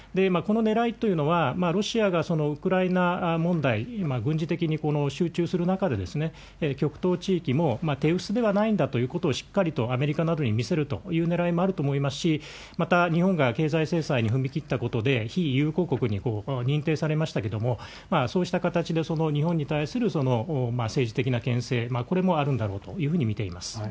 このねらいというのは、ロシアがウクライナ問題、軍事的に集中する中で、極東地域も手薄ではないんだということを、しっかりとアメリカなどに見せるというねらいもあると思いますし、また日本が経済制裁に踏み切ったことで非友好国に認定されましたけれども、そうした形で日本に対する政治的なけん制、これもあるんだろうというふうに見ています。